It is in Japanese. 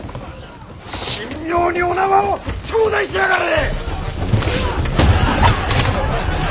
神妙にお縄を頂戴しやがれ！